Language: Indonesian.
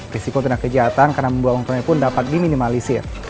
risiko tindak kejahatan karena pembuatan uang elektronik pun dapat diminimalisir